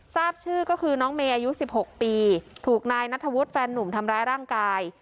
ทราบชื่อก็คือน้องเมย์อายุ๑๖ปีถูกนายนัทธวุฒิแฟนนุ่มทำร้ายร่างกาย